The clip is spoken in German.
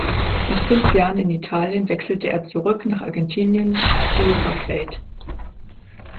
Nach fünf Jahren in Italien wechselte er zurück nach Argentinien zu River Plate.